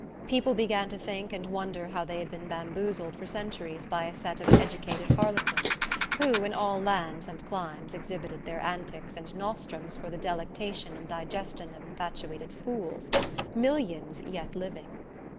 People began to think and wonder how they had been bamboozled for centuries by a set of educated harlequins, who, in all lands and climes exhibited their antics and nostrums for the delectation and digestion of infatuated fools! Millions yet living!